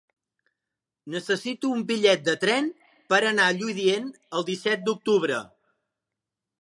Necessito un bitllet de tren per anar a Lludient el disset d'octubre.